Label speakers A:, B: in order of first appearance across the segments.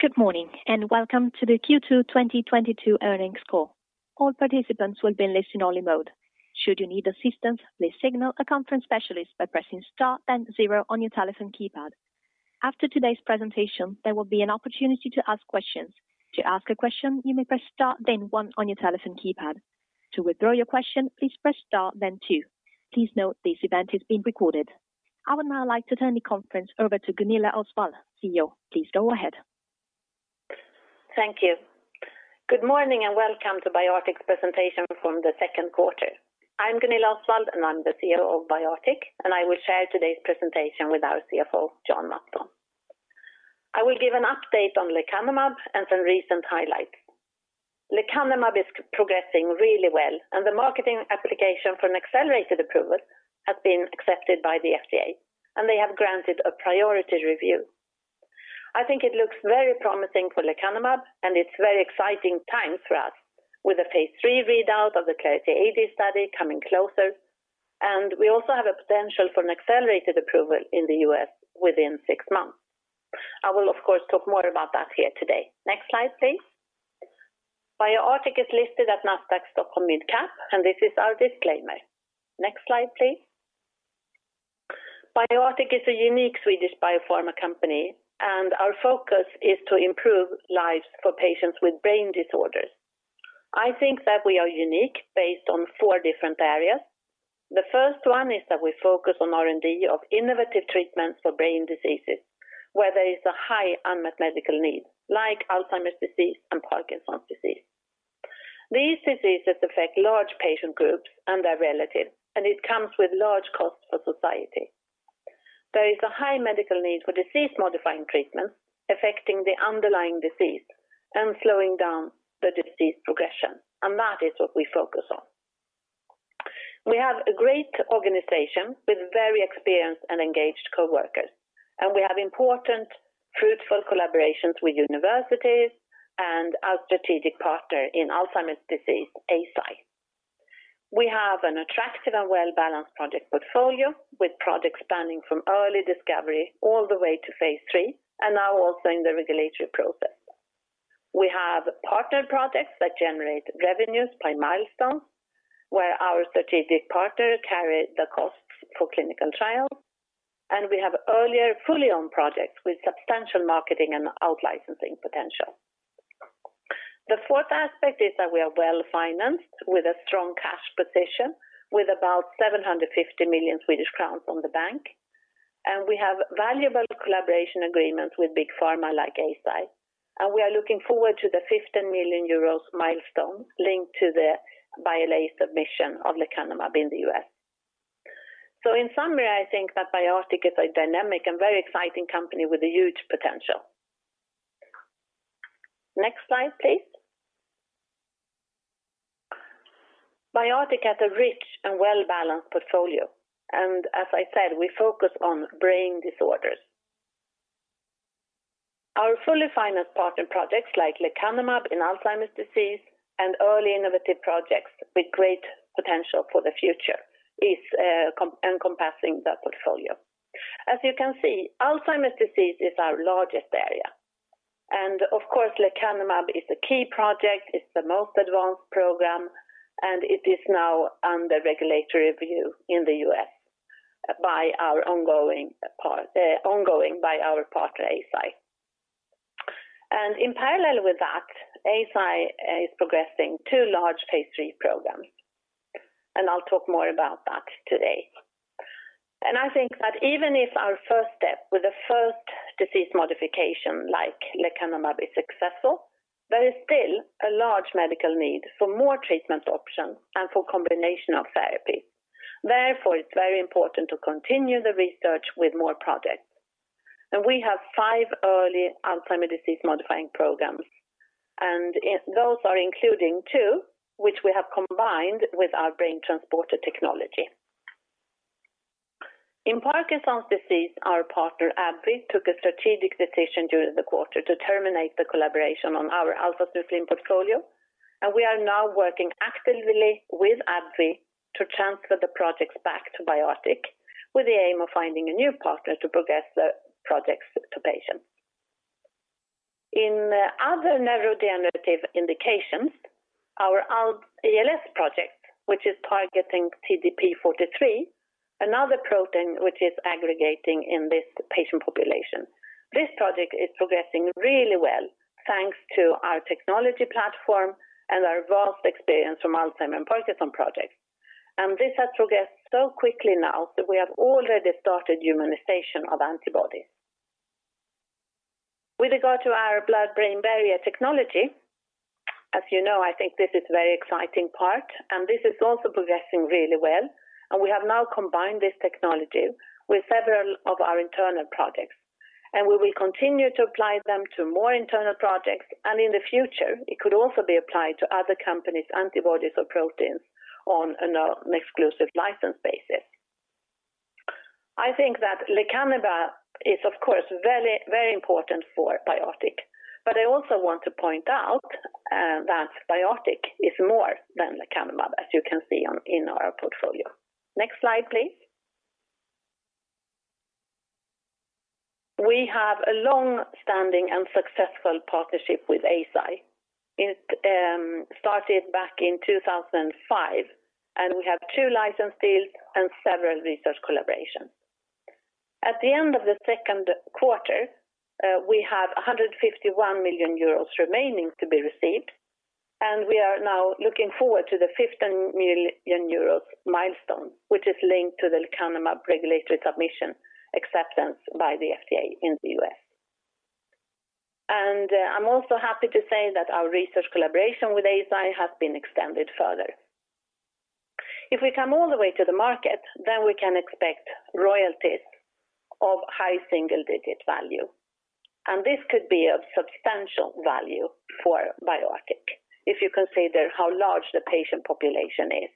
A: Good morning and welcome to the Q2 2022 Earnings Call. All participants will be in listen only mode. Should you need assistance, please signal a conference specialist by pressing star then zero on your telephone keypad. After today's presentation, there will be an opportunity to ask questions. To ask a question, you may press star then one on your telephone keypad. To withdraw your question, please press star then two. Please note this event is being recorded. I would now like to turn the conference over to Gunilla Osswald, CEO. Please go ahead.
B: Thank you. Good morning and welcome to BioArctic's Presentation from the Second Quarter. I'm Gunilla Osswald, and I'm the CEO of BioArctic, and I will share today's presentation with our CFO, Jan Mattsson. I will give an update on lecanemab and some recent highlights. Lecanemab is progressing really well, and the marketing application for an accelerated approval has been accepted by the FDA, and they have granted a priority review. I think it looks very promising for lecanemab, and it's very exciting time for us with the phase III readout of the Clarity AD study coming closer. We also have a potential for an accelerated approval in the U.S. within six months. I will, of course, talk more about that here today. Next slide, please. BioArctic is listed at Nasdaq Stockholm Mid Cap, and this is our disclaimer. Next slide, please. BioArctic is a unique Swedish biopharma company, and our focus is to improve lives for patients with brain disorders. I think that we are unique based on four different areas. The first one is that we focus on R&D of innovative treatments for brain diseases, where there is a high unmet medical need, like Alzheimer's disease and Parkinson's disease. These diseases affect large patient groups and their relatives, and it comes with large costs for society. There is a high medical need for disease modifying treatment affecting the underlying disease and slowing down the disease progression, and that is what we focus on. We have a great organization with very experienced and engaged coworkers, and we have important, fruitful collaborations with universities and our strategic partner in Alzheimer's disease, Eisai. We have an attractive and well-balanced project portfolio with projects spanning from early discovery all the way to phase III and now also in the regulatory process. We have partner projects that generate revenues by milestones, where our strategic partner carry the costs for clinical trials, and we have earlier fully owned projects with substantial marketing and out-licensing potential. The fourth aspect is that we are well financed with a strong cash position with about 750 million Swedish crowns from the bank. We have valuable collaboration agreements with big pharma like Eisai. We are looking forward to the 15 million euros milestone linked to the BioArctic submission of lecanemab in the U.S. In summary, I think that BioArctic is a dynamic and very exciting company with a huge potential. Next slide, please. BioArctic has a rich and well-balanced portfolio, and as I said, we focus on brain disorders. Our fully financed partner projects like lecanemab in Alzheimer's disease and early innovative projects with great potential for the future is encompassing the portfolio. As you can see, Alzheimer's disease is our largest area. Of course, lecanemab is a key project. It's the most advanced program, and it is now under regulatory review in the U.S. by our partner, Eisai. In parallel with that, Eisai is progressing two large phase III programs, and I'll talk more about that today. I think that even if our first step with the first disease modification like lecanemab is successful, there is still a large medical need for more treatment options and for combination of therapy. Therefore, it's very important to continue the research with more projects. We have five early Alzheimer's disease modifying programs, and those are including two, which we have combined with our BrainTransporter technology. In Parkinson's disease, our partner AbbVie took a strategic decision during the quarter to terminate the collaboration on our alpha-synuclein portfolio. We are now working actively with AbbVie to transfer the projects back to BioArctic with the aim of finding a new partner to progress the projects to patients. In other neurodegenerative indications, our ALS project, which is targeting TDP-43, another protein which is aggregating in this patient population. This project is progressing really well thanks to our technology platform and our vast experience from Alzheimer's and Parkinson's projects. This has progressed so quickly now that we have already started humanization of antibodies. With regard to our blood-brain barrier technology, as you know, I think this is very exciting part, and this is also progressing really well. We have now combined this technology with several of our internal projects. We will continue to apply them to more internal projects, and in the future, it could also be applied to other companies' antibodies or proteins on an exclusive license basis. I think that lecanemab is, of course, very, very important for BioArctic. I also want to point out that BioArctic is more than lecanemab, as you can see in our portfolio. Next slide, please. We have a long-standing and successful partnership with Eisai. It started back in 2005, and we have two license deals and several research collaborations. At the end of the second quarter, we have 151 million euros remaining to be received, and we are now looking forward to the 15 million euros milestone, which is linked to the lecanemab regulatory submission acceptance by the FDA in the U.S. I'm also happy to say that our research collaboration with Eisai has been extended further. If we come all the way to the market, then we can expect royalties of high single-digit value. This could be of substantial value for BioArctic if you consider how large the patient population is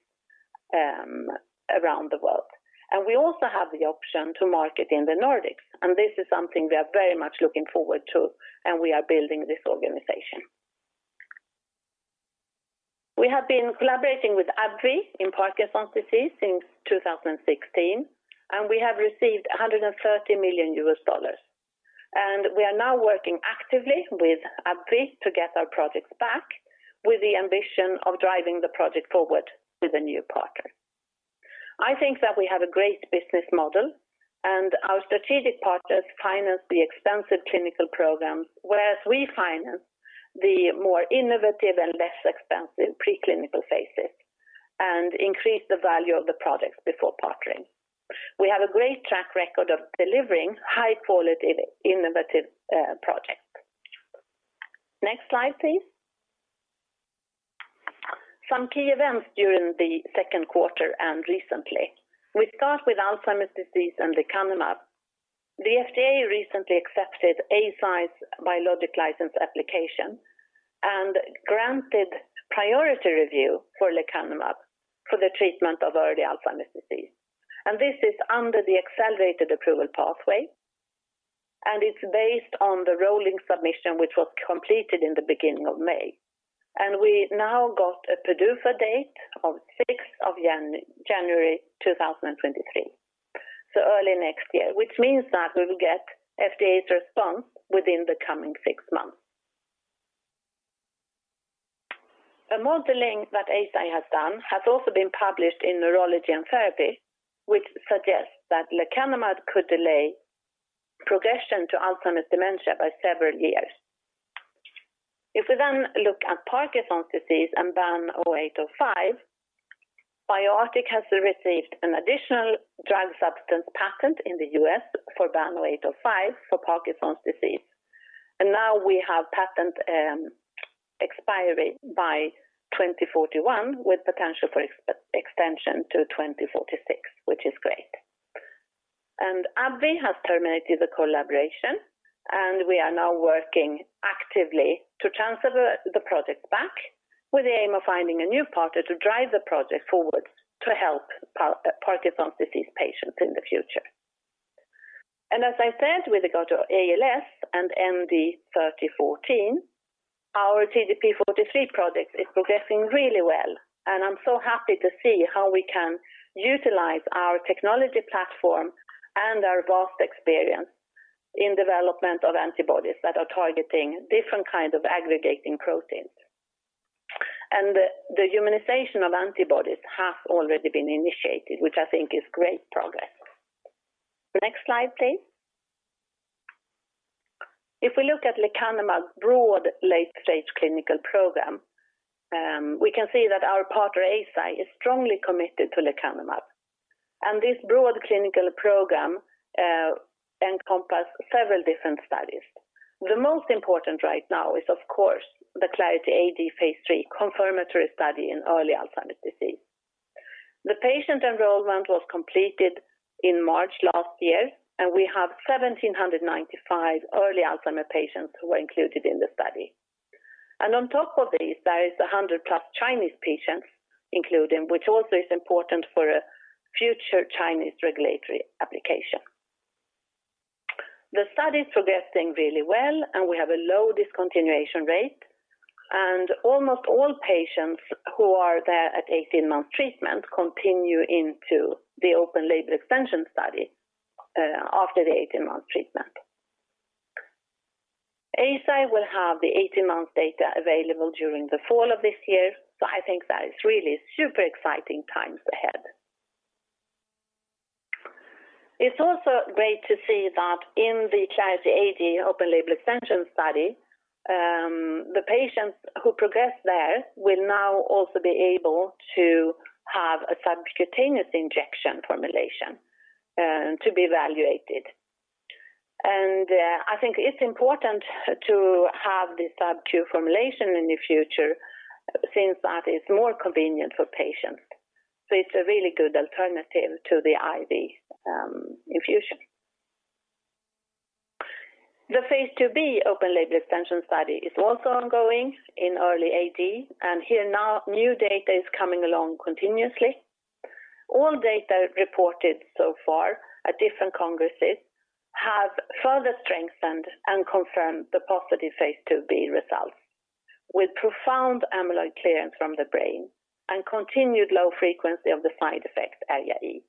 B: around the world. We also have the option to market in the Nordics, and this is something we are very much looking forward to, and we are building this organization. We have been collaborating with AbbVie in Parkinson's disease since 2016, and we have received $130 million. We are now working actively with AbbVie to get our projects back with the ambition of driving the project forward with a new partner. I think that we have a great business model, and our strategic partners finance the extensive clinical programs, whereas we finance the more innovative and less expensive preclinical phases and increase the value of the products before partnering. We have a great track record of delivering high-quality innovative projects. Next slide, please. Some key events during the second quarter and recently. We start with Alzheimer's disease and lecanemab. The FDA recently accepted Eisai's biologic license application and granted priority review for lecanemab for the treatment of early Alzheimer's disease. This is under the accelerated approval pathway, and it's based on the rolling submission which was completed in the beginning of May. We now got a PDUFA date of 6th of January 2023, so early next year, which means that we will get FDA's response within the coming six months. A modeling that Eisai has done has also been published in Neurology and Therapy, which suggests that lecanemab could delay progression to Alzheimer's dementia by several years. If we look at Parkinson's disease and BAN0805, BioArctic has received an additional drug substance patent in the U.S. for BAN0805 for Parkinson's disease. Now we have patent expiry by 2041 with potential for extension to 2046, which is great. AbbVie has terminated the collaboration, and we are now working actively to transfer the project back with the aim of finding a new partner to drive the project forward to help Parkinson's disease patients in the future. As I said, with regard to ALS and ND 3014, our TDP-43 project is progressing really well, and I'm so happy to see how we can utilize our technology platform and our vast experience in development of antibodies that are targeting different kinds of aggregating proteins. The humanization of antibodies has already been initiated, which I think is great progress. Next slide, please. If we look at lecanemab's broad late-stage clinical program, we can see that our partner, Eisai, is strongly committed to lecanemab. This broad clinical program encompasses several different studies. The most important right now is, of course, the Clarity AD Phase III confirmatory study in early Alzheimer's disease. The patient enrollment was completed in March last year, and we have 1,795 early Alzheimer's patients who were included in the study. On top of this, there is 100+ Chinese patients including, which also is important for a future Chinese regulatory application. The study is progressing really well, and we have a low discontinuation rate. Almost all patients who are there at 18-month treatment continue into the open-label extension study after the 18-month treatment. Eisai will have the 18-month data available during the fall of this year, so I think that is really super exciting times ahead. It's also great to see that in the Clarity AD open label extension study, the patients who progress there will now also be able to have a subcutaneous injection formulation, to be evaluated. I think it's important to have the subcu formulation in the future since that is more convenient for patients. It's a really good alternative to the IV, infusion. The Phase II-B open label extension study is also ongoing in early AD, and here now new data is coming along continuously. All data reported so far at different congresses. Further strengthened and confirmed the positive Phase II-B results with profound amyloid clearance from the brain and continued low frequency of the side effects ARIA-E.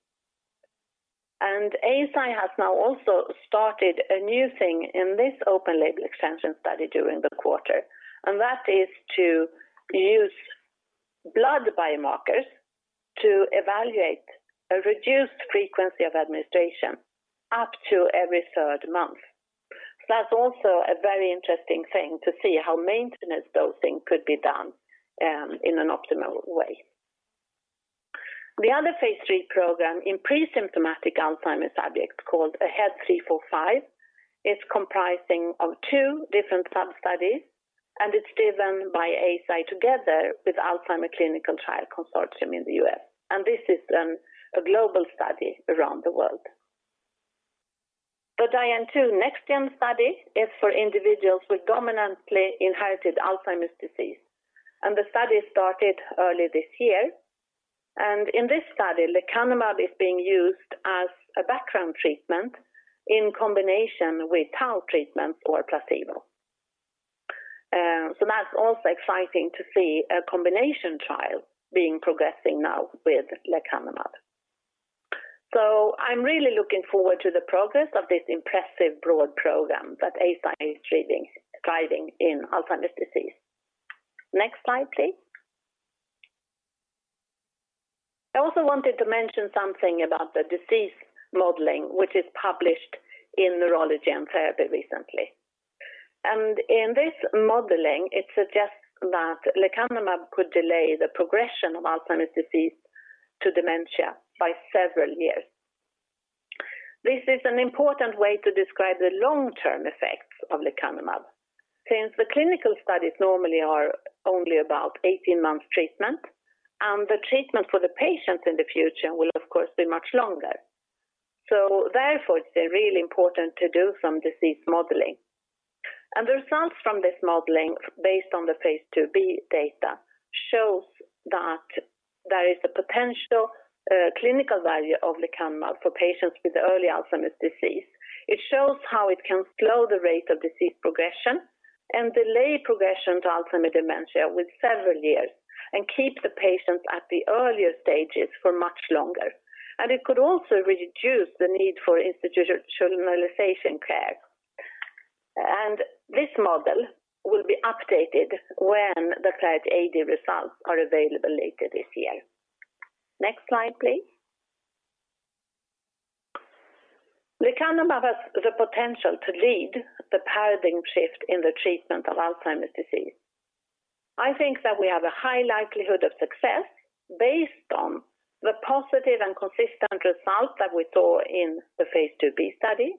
B: Eisai has now also started a new thing in this open label extension study during the quarter, and that is to use blood biomarkers to evaluate a reduced frequency of administration up to every third month. That's also a very interesting thing to see how maintenance dosing could be done in an optimal way. The other phase III program in pre-symptomatic Alzheimer's subject called AHEAD 3-45 is comprising of two different sub-studies, and it's driven by Eisai together with Alzheimer's Clinical Trials Consortium in the U.S. This is a global study around the world. The DIAN-TU NexGen study is for individuals with dominantly inherited Alzheimer's disease, and the study started early this year. In this study, lecanemab is being used as a background treatment in combination with tau treatment or placebo. That's also exciting to see a combination trial being progressing now with lecanemab. I'm really looking forward to the progress of this impressive broad program that Eisai is driving in Alzheimer's disease. Next slide, please. I also wanted to mention something about the disease modeling, which is published in Neurology and Therapy recently. In this modeling, it suggests that lecanemab could delay the progression of Alzheimer's disease to dementia by several years. This is an important way to describe the long-term effects of lecanemab. Since the clinical studies normally are only about 18 months treatment, and the treatment for the patients in the future will, of course, be much longer. Therefore, it's really important to do some disease modeling. The results from this modeling based on the phase II-B data shows that there is a potential, clinical value of lecanemab for patients with early Alzheimer's disease. It shows how it can slow the rate of disease progression and delay progression to Alzheimer dementia with several years and keep the patients at the earlier stages for much longer. It could also reduce the need for institutionalization care. This model will be updated when the Clarity AD results are available later this year. Next slide, please. Lecanemab has the potential to lead the paradigm shift in the treatment of Alzheimer's disease. I think that we have a high likelihood of success based on the positive and consistent results that we saw in the phase II-B study,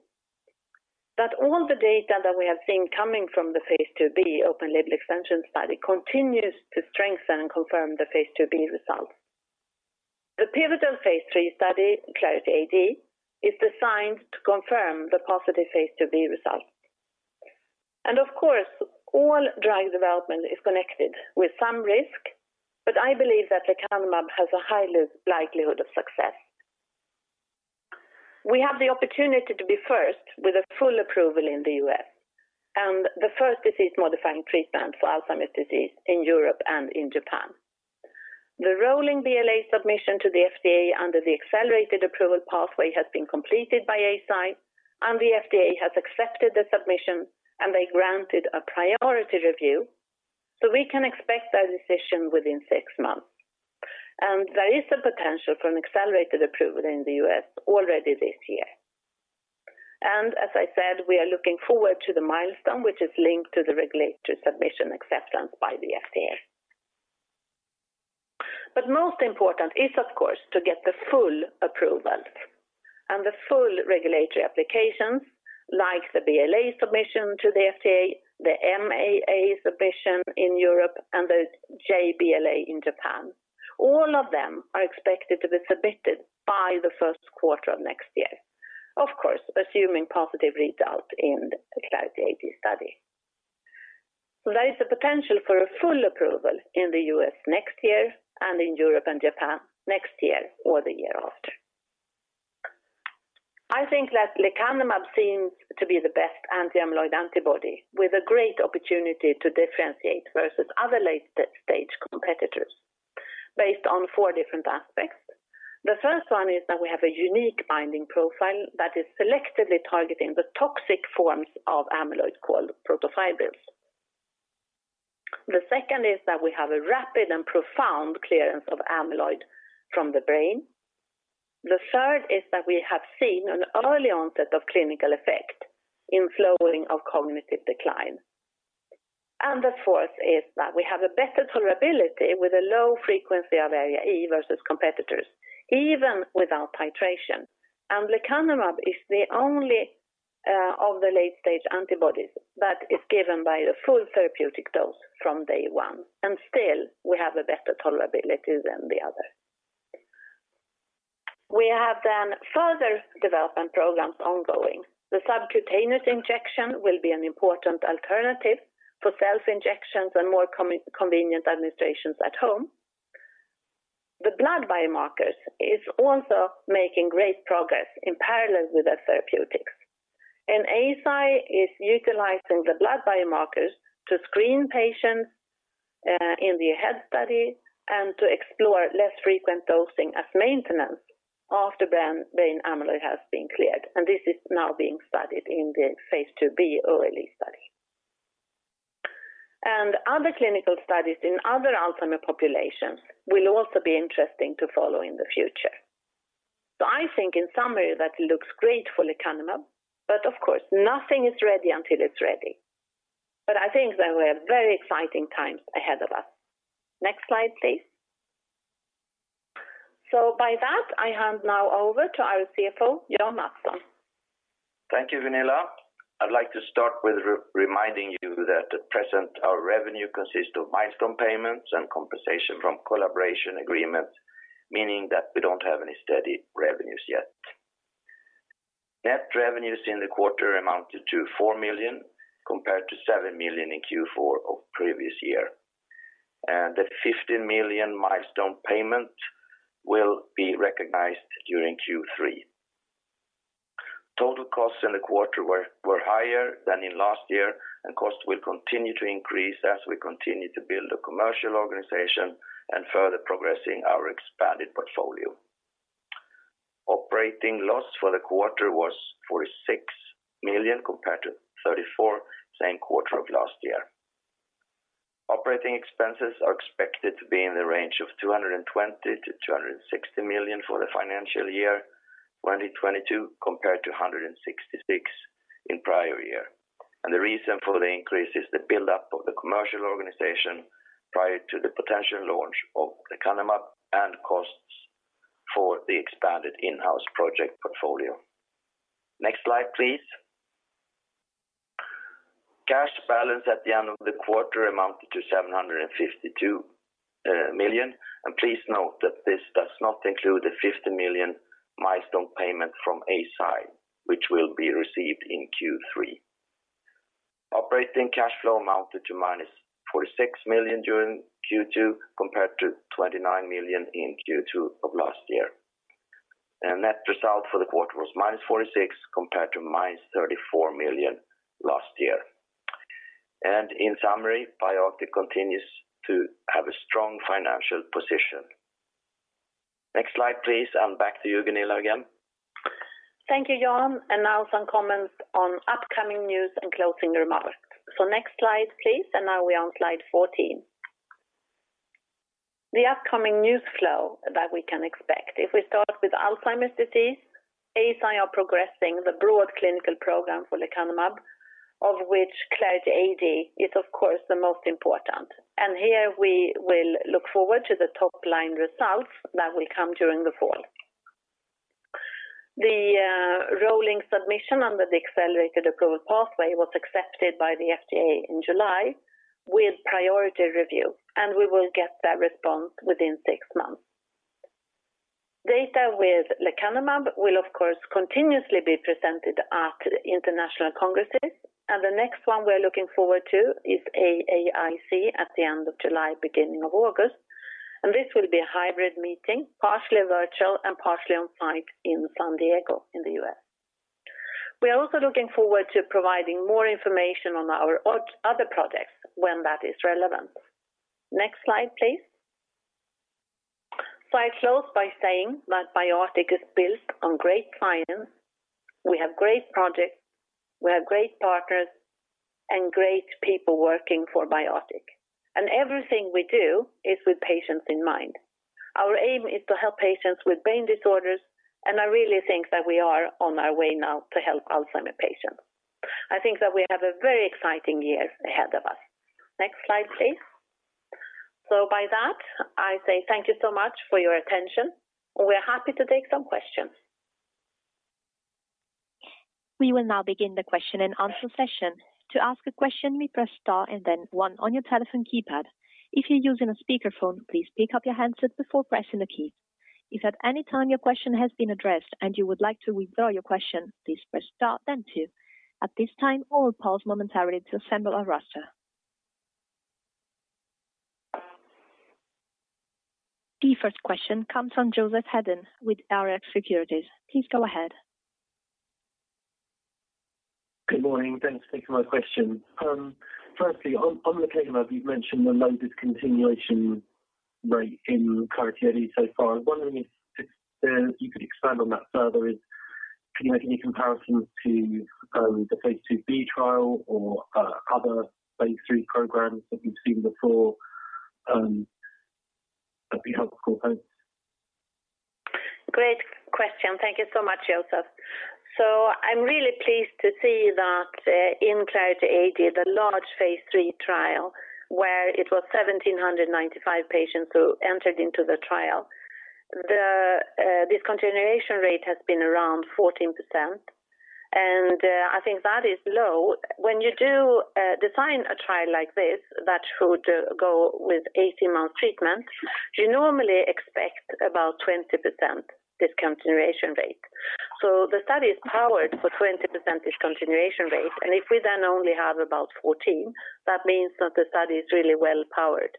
B: that all the data that we have seen coming from the phase II-B open label extension study continues to strengthen and confirm the phase II-B result. The pivotal phase III study, Clarity AD, is designed to confirm the positive phase II-B result. Of course, all drug development is connected with some risk, but I believe that lecanemab has a high likelihood of success. We have the opportunity to be first with a full approval in the U.S., and the first disease modifying treatment for Alzheimer's disease in Europe and in Japan. The rolling BLA submission to the FDA under the accelerated approval pathway has been completed by Eisai, and the FDA has accepted the submission, and they granted a priority review, so we can expect a decision within six months. There is the potential for an accelerated approval in the U.S. already this year. As I said, we are looking forward to the milestone which is linked to the regulatory submission acceptance by the FDA. Most important is, of course, to get the full approval and the full regulatory applications like the BLA submission to the FDA, the MAA submission in Europe, and the jBLA in Japan. All of them are expected to be submitted by the first quarter of next year. Of course, assuming positive result in the Clarity AD study. There is the potential for a full approval in the U.S. next year and in Europe and Japan next year or the year after. I think that lecanemab seems to be the best anti-amyloid antibody with a great opportunity to differentiate versus other late-stage competitors based on four different aspects. The first one is that we have a unique binding profile that is selectively targeting the toxic forms of amyloid called protofibrils. The second is that we have a rapid and profound clearance of amyloid from the brain. The third is that we have seen an early onset of clinical effect in slowing of cognitive decline. And the fourth is that we have a better tolerability with a low frequency of ARIA-E versus competitors, even without titration. lecanemab is the only of the late-stage antibodies that is given by a full therapeutic dose from day one, and still we have a better tolerability than the other. We have then further development programs ongoing. The subcutaneous injection will be an important alternative for self-injections and more convenient administrations at home. The blood biomarkers is also making great progress in parallel with the therapeutics. Eisai is utilizing the blood biomarkers to screen patients in the AHEAD study and to explore less frequent dosing as maintenance after brain amyloid has been cleared. This is now being studied in the phase II-B early study. Other clinical studies in other Alzheimer's populations will also be interesting to follow in the future. I think in summary that looks great for lecanemab, but of course, nothing is ready until it's ready. I think that we have very exciting times ahead of us. Next slide, please. By that, I hand now over to our CFO, Jan Mattsson.
C: Thank you, Gunilla. I'd like to start with reminding you that at present, our revenue consists of milestone payments and compensation from collaboration agreements, meaning that we don't have any steady revenues yet. Net revenues in the quarter amounted to 4 million compared to 7 million in Q4 of previous year. The 15 million milestone payment will be recognized during Q3. Total costs in the quarter were higher than in last year, and costs will continue to increase as we continue to build a commercial organization and further progressing our expanded portfolio. Operating loss for the quarter was 46 million compared to 34 million same quarter of last year. Operating expenses are expected to be in the range of 220 million-260 million for the financial year 2022 compared to 166 million in prior year. The reason for the increase is the build-up of the commercial organization prior to the potential launch of lecanemab and costs for the expanded in-house project portfolio. Next slide, please. Cash balance at the end of the quarter amounted to 752 million. Please note that this does not include the 50 million milestone payment from Eisai, which will be received in Q3. Operating cash flow amounted to -46 million during Q2, compared to 29 million in Q2 of last year. Net result for the quarter was -46 million compared to -34 million last year. In summary, BioArctic continues to have a strong financial position. Next slide, please. Back to you, Gunilla, again.
B: Thank you, Jan. Now some comments on upcoming news and closing remarks. Next slide, please. Now we are on slide 14. The upcoming news flow that we can expect. If we start with Alzheimer's disease, Eisai are progressing the broad clinical program for lecanemab, of which CLARITY AD is of course the most important. Here we will look forward to the top line results that will come during the fall. The rolling submission under the Accelerated Approval Pathway was accepted by the FDA in July with priority review, and we will get that response within six months. Data with lecanemab will, of course, continuously be presented at international congresses, and the next one we're looking forward to is AAIC at the end of July, beginning of August. This will be a hybrid meeting, partially virtual and partially on site in San Diego in the U.S. We are also looking forward to providing more information on our other projects when that is relevant. Next slide, please. I close by saying that BioArctic is built on great science. We have great projects, we have great partners, and great people working for BioArctic. Everything we do is with patients in mind. Our aim is to help patients with brain disorders, and I really think that we are on our way now to help Alzheimer's patients. I think that we have a very exciting year ahead of us. Next slide, please. By that, I say thank you so much for your attention. We are happy to take some questions.
A: We will now begin the question and answer session. To ask a question, you may press star and then one on your telephone keypad. If you're using a speakerphone, please pick up your handset before pressing the key. If at any time your question has been addressed and you would like to withdraw your question, please press star then two. At this time, we'll pause momentarily to assemble our roster. The first question comes from Joseph Hedden with Rx Securities. Please go ahead.
D: Good morning. Thanks for taking my question. Firstly, on lecanemab, you've mentioned the low discontinuation rate in Clarity AD so far. I'm wondering if you could expand on that further. Can you make any comparisons to the phase II-B trial or other phase III programs that we've seen before, that'd be helpful. Thanks.
B: Great question. Thank you so much, Joseph. I'm really pleased to see that in Clarity AD, the large phase III trial, where it was 1,795 patients who entered into the trial. The discontinuation rate has been around 14%, and I think that is low. When you do design a trial like this that should go with 18-month treatment, you normally expect about 20% discontinuation rate. The study is powered for 20% continuation rate. And if we then only have about 14, that means that the study is really well powered.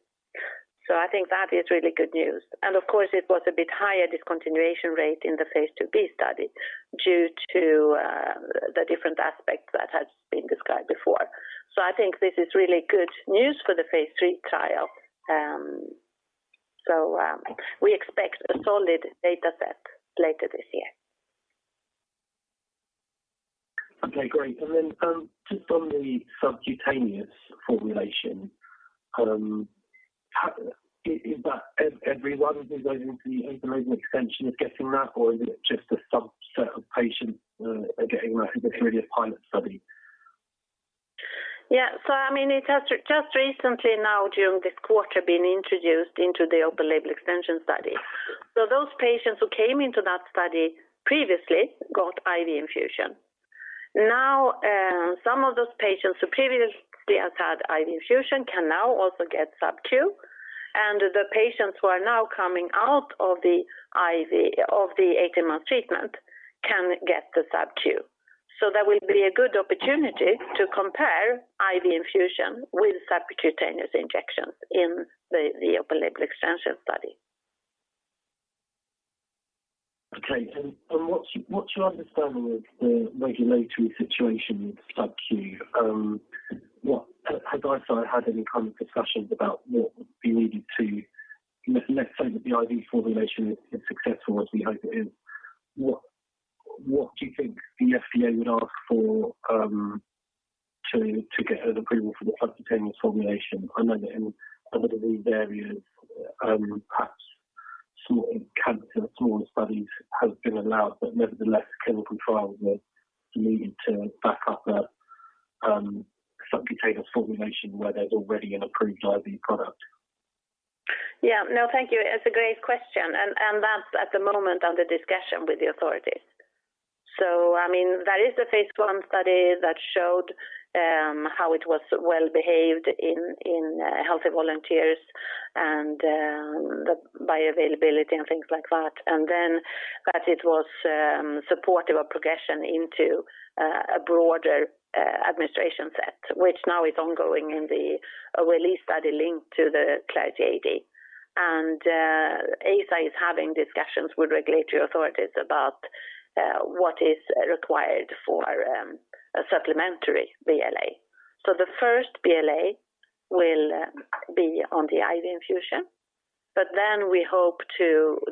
B: I think that is really good news. And of course it was a bit higher discontinuation rate in the phase II-B study due to the different aspects that has been described before. I think this is really good news for the phase III trial. We expect a solid data set later this year.
D: Okay, great. Just on the subcutaneous formulation, is that everyone who goes into the open-label extension is getting that or is it just a subset of patients are getting that as a periodic pilot study?
B: I mean, it has just recently now during this quarter been introduced into the open label extension study. Those patients who came into that study previously got IV infusion. Now, some of those patients who previously has had IV infusion can now also get subQ. The patients who are now coming out of the IV of the 18-month treatment can get the subQ. That will be a good opportunity to compare IV infusion with subcutaneous injections in the open label extension study.
D: Okay. What's your understanding of the regulatory situation with subQ? Has Eisai had any kind of discussions about what would be needed. Let's say that the IV formulation is successful as we hope it is. What do you think the FDA would ask for, to get an approval for the subcutaneous formulation? I know that in other rare areas, perhaps smaller cancer, smaller studies have been allowed, but nevertheless clinical trials are needed to back up a subcutaneous formulation where there's already an approved IV product.
B: Yeah. No, thank you. It's a great question and that's at the moment under discussion with the authorities. I mean there is a phase I study that showed how it was well behaved in healthy volunteers and the bioavailability and things like that. Then that it was supportive of progression into a broader administration set, which now is ongoing in the OLE study linked to the Clarity AD. Eisai is having discussions with regulatory authorities about what is required for a supplementary BLA. The first BLA will be on the IV infusion, but then we hope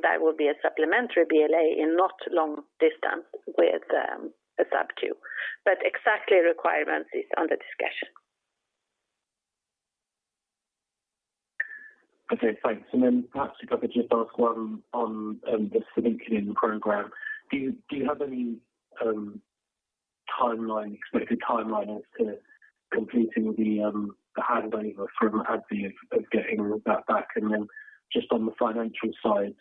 B: that will be a supplementary BLA in the not too distant future with a subQ. The exact requirements are under discussion.
D: Okay. Thanks. Perhaps if I could just ask one on the alpha-synuclein program. Do you have any timeline, expected timeline as to completing the handover from AbbVie of getting that back? Just on the financial side,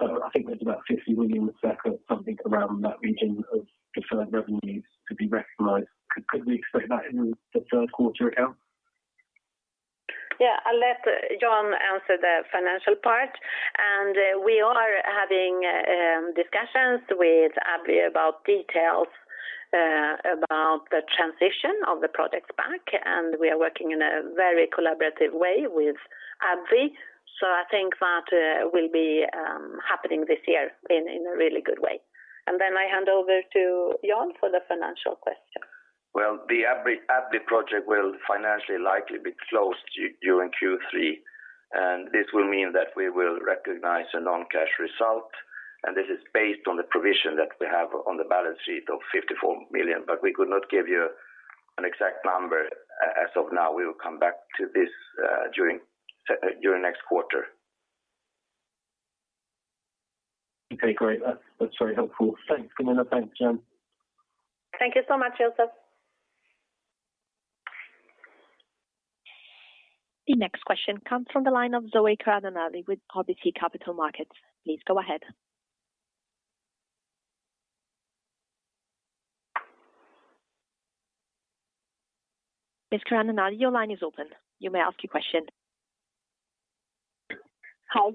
D: I think there's about 50 million or something around that region of deferred revenues to be recognized. Could we expect that in the third quarter accounts?
B: Yeah. I'll let Jan answer the financial part. We are having discussions with AbbVie about details about the transition of the products back, and we are working in a very collaborative way with AbbVie. I think that will be happening this year in a really good way. Then I hand over to Jan for the financial question.
C: Well, the AbbVie project will financially likely be closed during Q3, and this will mean that we will recognize a non-cash result. This is based on the provision that we have on the balance sheet of 54 million. We could not give you an exact number as of now. We will come back to this during next quarter.
D: Okay, great. That's very helpful. Thanks, Gunilla Osswald. Thanks, Jan.
B: Thank you so much, Joseph.
A: The next question comes from the line of Zoe Karamanoli with RBC Capital Markets. Please go ahead. Ms. Karamanoli, your line is open. You may ask your question.
E: Hi.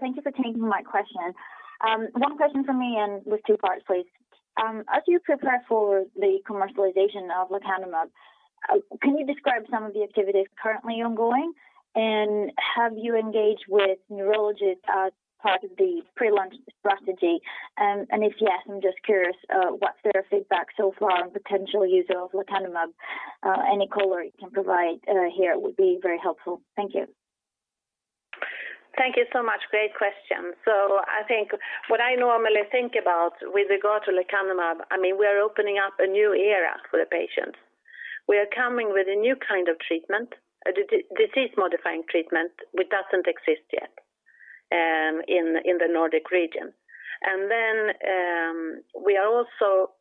E: Thank you for taking my question. One question from me and with two parts please. As you prepare for the commercialization of lecanemab, can you describe some of the activities currently ongoing, and have you engaged with neurologists as part of the pre-launch strategy? If yes, I'm just curious, what's their feedback so far on potential use of lecanemab? Any color you can provide here would be very helpful. Thank you.
B: Thank you so much. Great question. I think what I normally think about with regard to lecanemab, I mean, we are opening up a new era for the patients. We are coming with a new kind of treatment, a disease modifying treatment which doesn't exist yet, in the Nordic region. We are also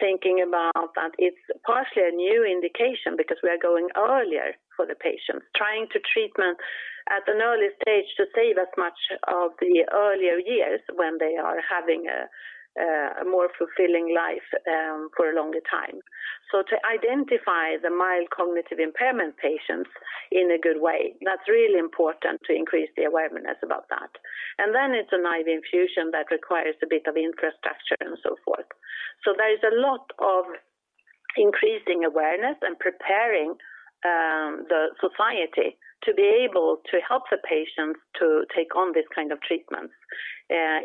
B: thinking about that it's partially a new indication because we are going earlier for the patients, trying to treat at an early stage to save as much of the earlier years when they are having a more fulfilling life, for a longer time. To identify the mild cognitive impairment patients in a good way, that's really important to increase the awareness about that. It's an IV infusion that requires a bit of infrastructure and so forth. There is a lot of increasing awareness and preparing the society to be able to help the patients to take on this kind of treatment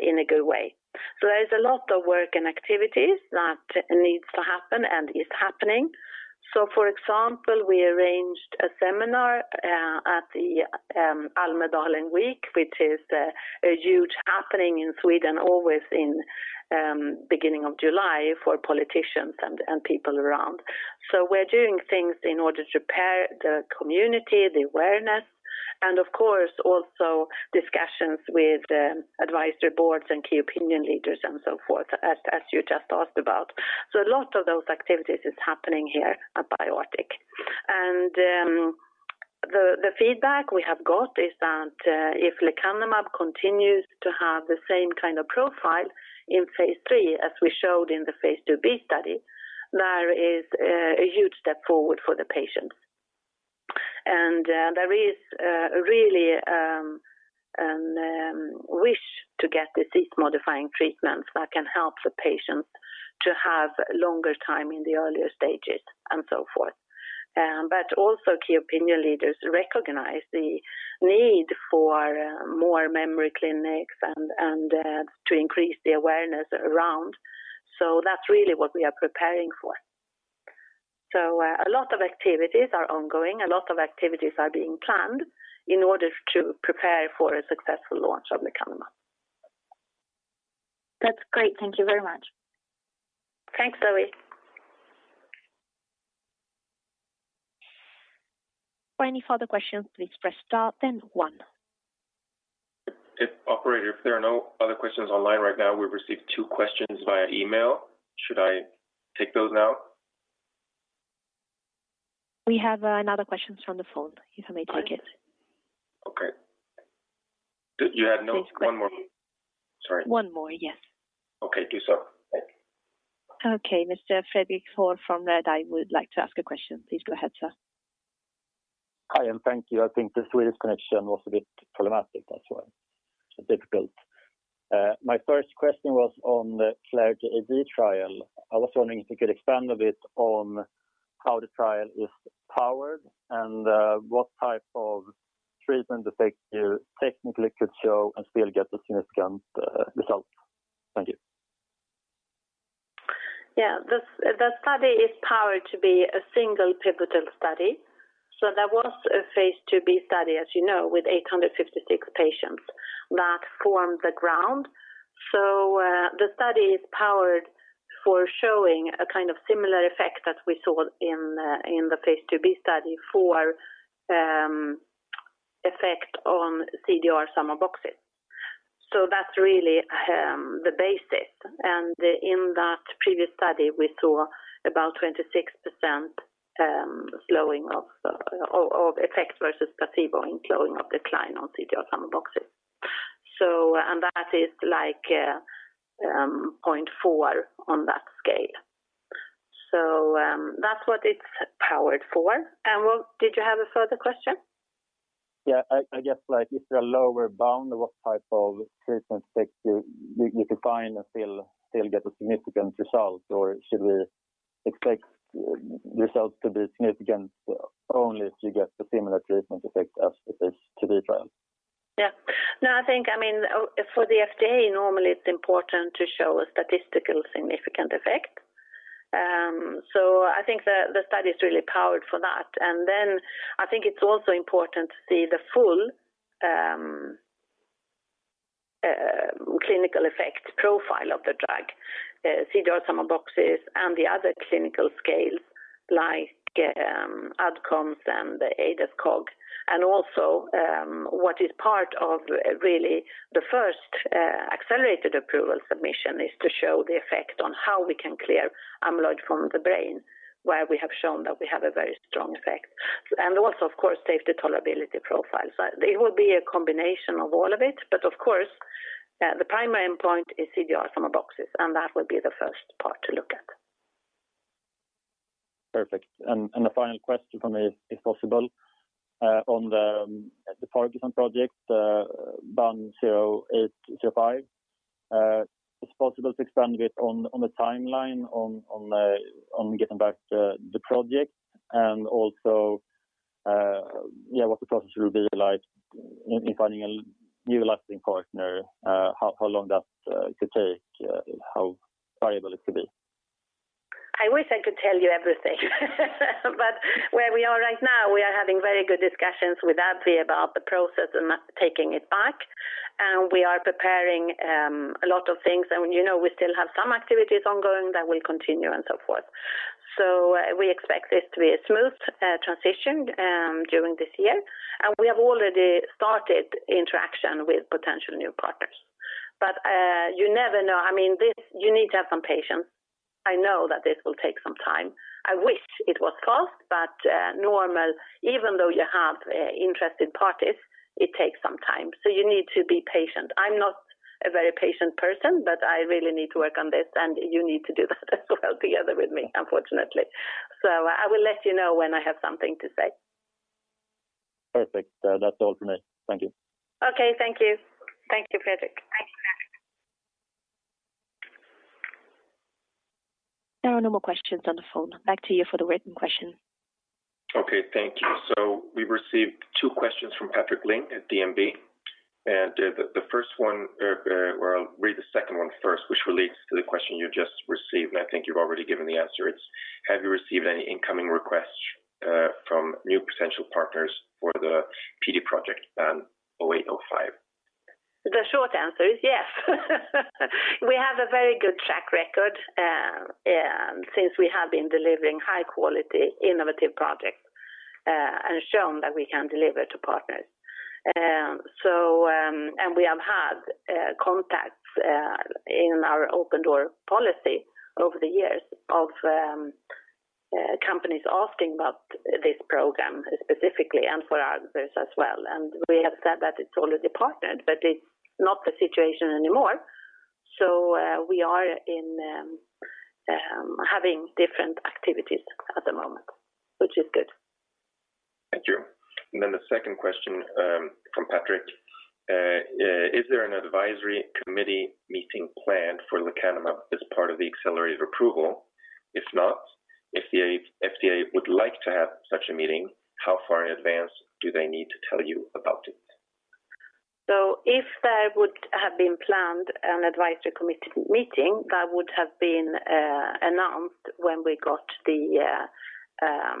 B: in a good way. There is a lot of work and activities that needs to happen and is happening. For example, we arranged a seminar at the Almedalen Week, which is a huge happening in Sweden always in beginning of July for politicians and people around. We're doing things in order to prepare the community, the awareness, and of course also discussions with advisory boards and key opinion leaders and so forth as you just asked about. A lot of those activities is happening here at BioArctic. The feedback we have got is that if lecanemab continues to have the same kind of profile in phase III as we showed in the phase II-B study, there is a huge step forward for the patients. There is really a wish to get disease modifying treatments that can help the patients to have longer time in the earlier stages and so forth. But also key opinion leaders recognize the need for more memory clinics and to increase the awareness around. That's really what we are preparing for. A lot of activities are ongoing. A lot of activities are being planned in order to prepare for a successful launch of lecanemab.
E: That's great. Thank you very much.
B: Thanks, Zoe.
A: For any further questions, please press star then one.
F: Operator, if there are no other questions online right now, we've received two questions via email. Should I take those now?
A: We have another question from the phone if I may take it.
F: Okay.
A: Please go ahead.
F: One more. Sorry.
A: One more. Yes.
F: Okay. Do so. Thank you.
A: Okay. Mr. Fredrik Thor from Redeye would like to ask a question. Please go ahead, sir.
G: Hi, thank you. I think the Swedish connection was a bit problematic as well, so difficult. My first question was on the Clarity AD trial. I was wondering if you could expand a bit on how the trial is powered and what type of treatment effect you technically could show and still get a significant result. Thank you.
B: Yeah. The study is powered to be a single pivotal study. There was a phase II-B study, as you know, with 856 patients that formed the ground. The study is powered for showing a kind of similar effect that we saw in the phase II-B study for effect on CDR Sum of Boxes. That's really the basis. In that previous study, we saw about 26% slowing of effect versus placebo in slowing of decline on CDR Sum of Boxes. That is like 0.4 on that scale. That's what it's powered for. Well, did you have a further question?
G: Yeah. I guess like is there a lower bound of what type of treatment effect you could find and still get a significant result? Or should we expect results to be significant only if you get the similar treatment effect as the phase II-B trial?
B: Yeah. No, I think, I mean, for the FDA, normally it's important to show a statistically significant effect. I think the study is really powered for that. I think it's also important to see the full clinical effect profile of the drug, CDR Sum of Boxes and the other clinical scales like ADCOMS and the ADAS-Cog. Also, what is part of really the first accelerated approval submission is to show the effect on how we can clear amyloid from the brain where we have shown that we have a very strong effect. Also of course safety and tolerability profile. It will be a combination of all of it. Of course, the primary endpoint is CDR Sum of Boxes, and that will be the first part to look at.
G: Perfect. A final question from me if possible, on the Parkinson's project, BAN0805. If possible to expand a bit on the timeline on getting back the project and also, yeah, what the process will be like in finding a new licensing partner, how long that could take, how variable it could be?
B: I wish I could tell you everything. Where we are right now, we are having very good discussions with AbbVie about the process and taking it back. We are preparing a lot of things. You know we still have some activities ongoing that will continue and so forth. We expect this to be a smooth transition during this year. We have already started interaction with potential new partners. You never know. I mean, this you need to have some patience. I know that this will take some time. I wish it was fast, but normal even though you have interested parties, it takes some time. You need to be patient. I'm not a very patient person, but I really need to work on this, and you need to do that as well together with me, unfortunately. I will let you know when I have something to say.
G: Perfect. That's all from me. Thank you.
B: Okay, thank you. Thank you, Fredrik.
A: There are no more questions on the phone. Back to you for the written question.
F: Okay, thank you. We received two questions from Patrik Ling at DNB Markets. The first one, well, I'll read the second one first, which relates to the question you just received, and I think you've already given the answer. It's, have you received any incoming requests from new potential partners for the PD project, BAN0805?
B: The short answer is yes. We have a very good track record, since we have been delivering high quality innovative projects, and shown that we can deliver to partners. We have had contacts in our open door policy over the years of companies asking about this program specifically and for others as well. We have said that it's already partnered, but it's not the situation anymore. We are in having different activities at the moment, which is good.
F: Thank you. The second question from Patrik. Is there an advisory committee meeting planned for lecanemab as part of the accelerated approval? If not, if the FDA would like to have such a meeting, how far in advance do they need to tell you about it?
B: If there would have been planned an advisory committee meeting, that would have been announced when we got the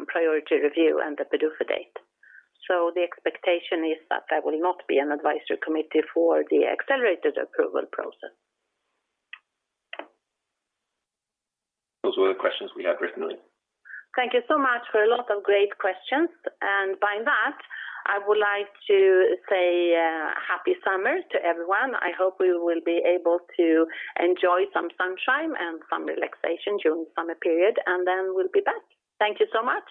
B: priority review and the PDUFA date. The expectation is that there will not be an advisory committee for the accelerated approval process.
F: Those were the questions we had written in.
B: Thank you so much for a lot of great questions. By that, I would like to say, happy summer to everyone. I hope we will be able to enjoy some sunshine and some relaxation during summer period, and then we'll be back. Thank you so much.